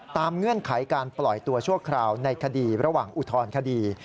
เงื่อนไขการปล่อยตัวชั่วคราวในคดีระหว่างอุทธรณคดี